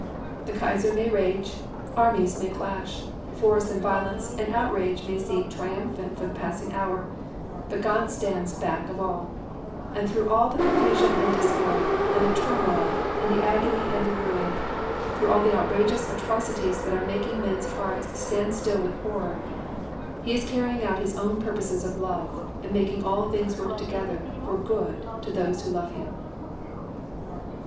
The Kaiser may rage, armies may clash, force and violence and outrage may seem triumphant for the passing hour, but God stands back of all; and through all the confusion and the discord and the turmoil and the agony and the ruin, through all the outrageous atrocities that are making men's hearts stand still with horror, He is carrying out His own purposes of love and making all things work together for good to those who love Him.